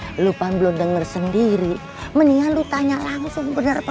apa lupa belum denger sendiri mendingan lu tanya langsung bener bener